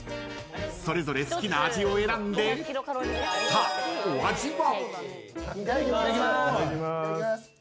［それぞれ好きな味を選んでさあお味は？］